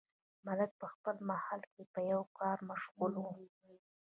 ملکه په خپل محل کې په یوه کار مشغوله وه.